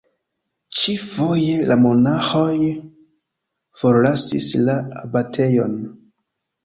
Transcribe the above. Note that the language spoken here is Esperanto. Ĉi-foje, la monaĥoj forlasis la abatejon.